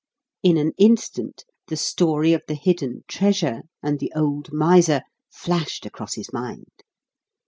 In an instant the story of the hidden treasure and the old miser flashed across his mind.